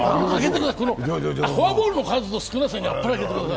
フォアボールの数の少なさにあっぱれあげてください。